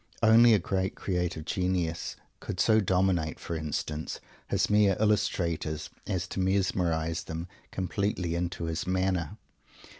Only a great creative genius could so dominate, for instance, his mere "illustrators," as to mesmerize them completely into his manner.